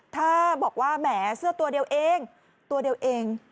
ถ้าบอกว่าแหมเสื้อตัวเดียวเอง